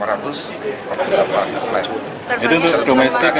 jadi untuk domestik atau